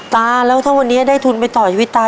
ตาแล้วถ้าวันนี้ได้ทุนไปต่อชีวิตตา